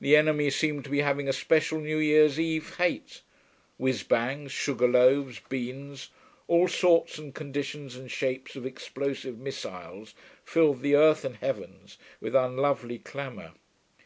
The enemy seemed to be having a special new year's eve hate. Whizz bangs, sugar loaves, beans, all sorts and conditions and shapes of explosive missiles filled the earth and heavens with unlovely clamour.